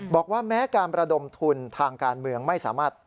บอกว่าแม้การประดมทุนทางการเมืองไม่สามารถ